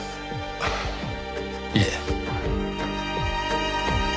いえ。